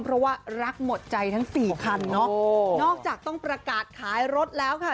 เพราะว่ารักหมดใจทั้งสี่คันเนาะนอกจากต้องประกาศขายรถแล้วค่ะ